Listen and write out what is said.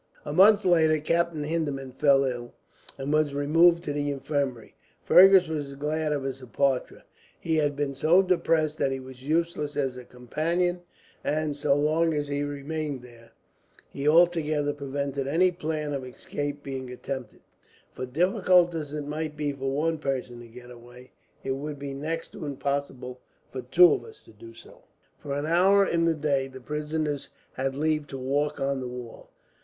A month later Captain Hindeman fell ill, and was removed to the infirmary. Fergus was glad of his departure. He had been so depressed that he was useless as a companion and, so long as he remained there, he altogether prevented any plan of escape being attempted; for difficult as it might be for one person to get away, it would be next to impossible for two to do so. For an hour in the day, the prisoners had leave to walk on the wall.